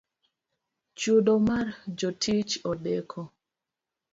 Chudo mar jotich odeko